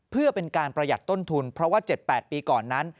เพื่อเป็นการประหยัดต้นทุนเพราะว่า๗๘ปีก่อนนั้น